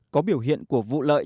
có biểu hiện của vụ lợi